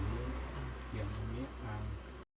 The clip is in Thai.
สมมติก็นิ่งมันทำเย็น